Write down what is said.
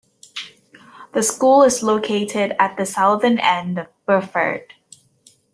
The school is located at the southern end of Burford.